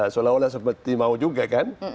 seolah olah seperti mau juga kan